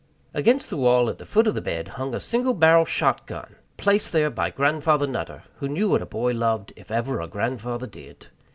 Against the wall at the foot of the bed hung a single barrel shot gun placed there by Grandfather Nutter, who knew what a boy loved, if ever a grandfather did.